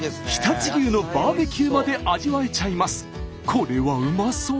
これはうまそう！